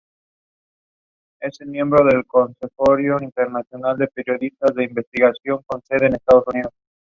The ex-dynasts are then usually accorded the hereditary title "Count of Rosenborg".